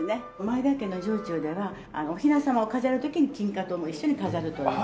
前田家の城中ではお雛様を飾る時に金花糖も一緒に飾るという。